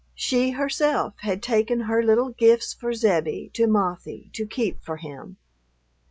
She herself had taken her little gifts for Zebbie to Mothie to keep for him.